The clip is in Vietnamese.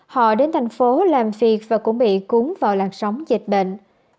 họ đến thành phố làm việc và cũng bị cúm vào làn sóng dịch bệnh